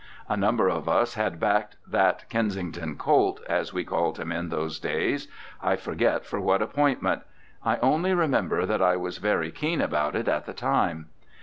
A number of us had backed that Kensington colt — as we called him in those days — I forget for what appointment. I only remember that I was very keen about it at the time.